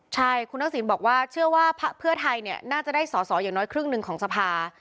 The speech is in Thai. ใช่คุณทักษิณบอกว่าเชื่อว่าเพื่อไทยน่าจะได้สอสออย่างน้อยครึ่งหนึ่งของสภา